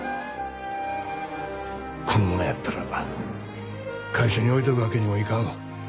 このままやったら会社に置いとくわけにもいかんわ。